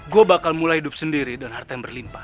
gue bakal mulai hidup sendiri dengan harta yang berlimpah